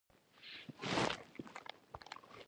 د وېښتانو ښه ږمنځول د ماتېدو مخه نیسي.